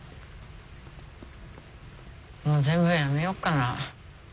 もう全部やめよっかな。